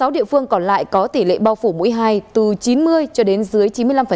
sáu địa phương còn lại có tỷ lệ bao phủ mũi hai từ chín mươi cho đến dưới chín mươi năm